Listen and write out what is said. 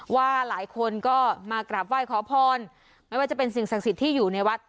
ว่าหลายคนก็มากราบไหว้ขอพรไม่ว่าจะเป็นสิ่งศักดิ์สิทธิ์ที่อยู่ในวัด